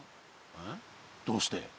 えどうして？